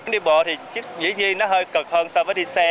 đi bộ thì chiếc dĩ nhiên nó hơi cực hơn so với đi xe